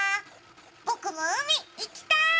僕も海、行きたい！